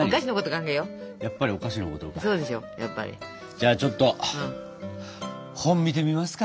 じゃあちょっと本見てみますか。